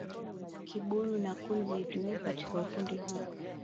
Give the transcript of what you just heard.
kibuyu na kuni zilitumika katika ufundi huo